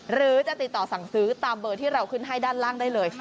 หรือจะติดต่อสั่งซื้อตามเบอร์ที่เราขึ้นให้ด้านล่างได้เลย